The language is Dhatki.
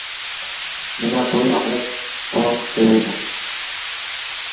منا ڪوئي فرڪ ڪون پيي.